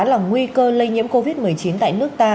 là nguy cơ lây nhiễm covid một mươi chín tại nước ta